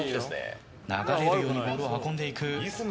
流れるようにボールを運んでいく。